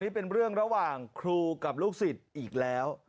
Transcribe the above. นี่เป็นเรื่องระหว่างครูกับลูกศิษย์อีกแล้ว